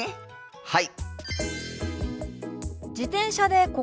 はい！